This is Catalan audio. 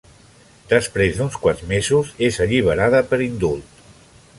Després d'uns quants mesos és alliberada per indult.